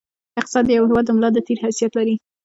اقتصاد د یوه هېواد د ملا د تېر حیثیت لري.